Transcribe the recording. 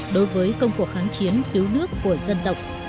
đối với công cuộc kháng chiến cứu nước của dân tộc